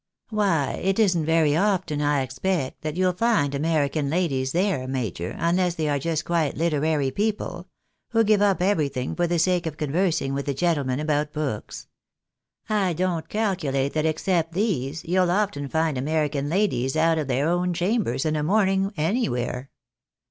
" Why, it isn't very often, I expect, that you'll find American ladies there, major, unless they are just quite literary people, who give up everytliing for the sake of conversing with gentlemen about books ; I don't calculate that, except these, you'U often find American ladies out of their own chambers in a morning any where."